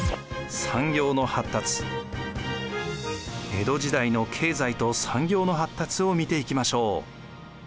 江戸時代の経済と産業の発達を見ていきましょう。